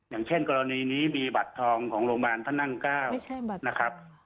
อย่างเช่นกรณีนี้มีบัตรทองของโรงพยาบาลพระนั่ง๙นะครับ